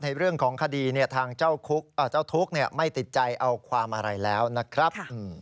ในเรื่องของคดีทางเจ้าทุกข์ไม่ติดใจเอาความอะไรแล้วนะครับ